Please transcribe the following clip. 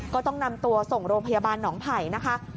ก็ต้องนำตัวส่งโรงพยาบาลหนองไผ่นะคะ